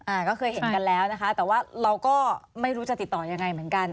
ก็เคยเห็นกันแล้วนะคะแต่ว่าเราก็ไม่รู้จะติดต่อยังไงเหมือนกัน